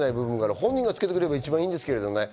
本人がつけてくれればいいですけどね。